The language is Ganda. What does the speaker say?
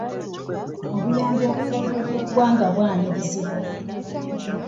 Obuyambi okuva ebweru w'eggwanga bwanirizibwa.